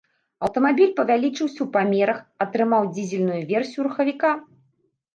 Аўтамабіль павялічыўся ў памерах, атрымаў дызельную версію рухавіка.